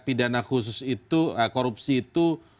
pidana khusus itu korupsi itu